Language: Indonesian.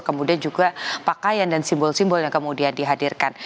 kemudian juga pakaian dan simbol simbol yang kemudian dihadirkan